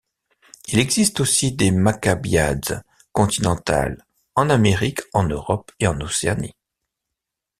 Il existe aussi des Maccabiades continentales en Amérique, en Europe et en Océanie.